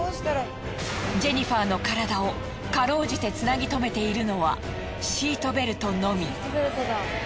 ジェニファーの体をかろうじてつなぎとめているのはシートベルトのみ。